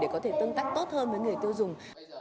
để có thể tương tác tốt hơn với người tiêu dùng